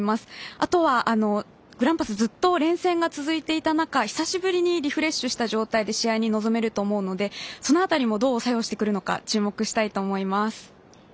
あとはグランパスずっと連戦が続いていた中久しぶりにリフレッシュした状態で試合に臨めると思うのでその辺りもどう作用してくるのか注目したいと思います。